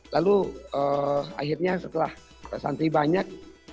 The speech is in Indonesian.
lalu akhirnya setelah santri banyak